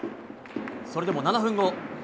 それでも７分後。